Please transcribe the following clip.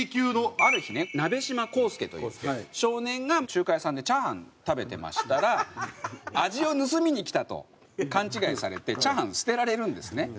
ある日ね鍋島香介という少年が中華屋さんでチャーハン食べてましたら味を盗みにきたと勘違いされてチャーハン捨てられるんですね。